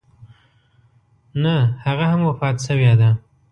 نه هغه هم وفات شوې ده.